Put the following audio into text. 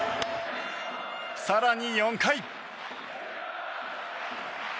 更に４回。